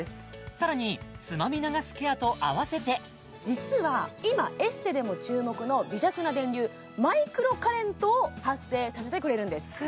さらにつまみ流すケアと併せて実は今エステでも注目の微弱な電流マイクロカレントを発生させてくれるんです